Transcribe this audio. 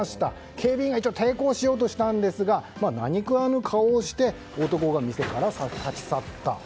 警備員が、一応抵抗しようとしたんですが何食わぬ顔をして男が店から立ち去った。